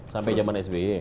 sampai zaman sbi